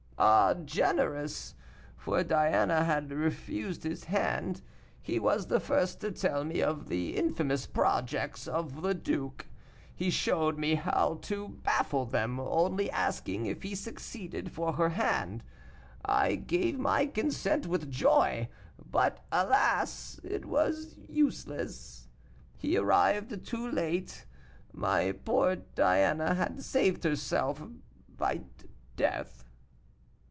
"Ah, generous; for Diana had refused his hand. He was the first to tell me of the infamous projects of the duke; he showed me how to baffle them, only asking, if he succeeded, for her hand. I gave my consent with joy; but alas! it was useless he arrived too late my poor Diana had saved herself by death!"